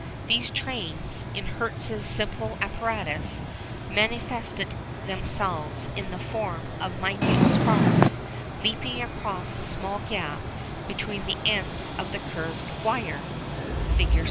These trains, in Hertz' simple apparatus, manifested themselves in the form of minute sparks leaping across the small gap between the ends of the curved wire (Fig.